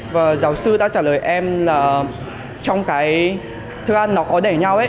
và giáo sư đã trả lời em là trong cái thực ra nó có đẩy nhau ấy